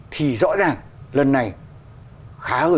thì rõ ràng lần này khá hơn rất nhiều